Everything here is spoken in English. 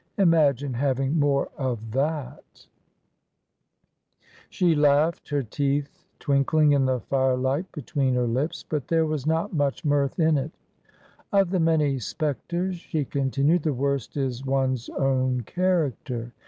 Imagine having more of that!" \ V TRANSITION. 233 She laughed — her teeth twinkling in the firelight be tween her lips. But there was not much mirth in it " Of the many spectres," she continued, " the worst is one's own character